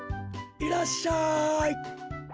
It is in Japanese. いらっしゃい。